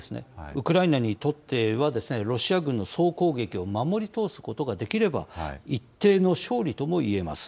ウクライナにとってはロシア軍の総攻撃を守り通すことができれば、一定の勝利ともいえます。